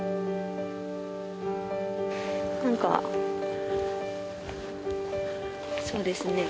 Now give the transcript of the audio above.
何かそうですね。